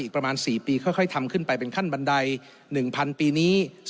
ประมาณ๔ปีค่อยทำขึ้นไปเป็นขั้นบันได๑๐๐ปีนี้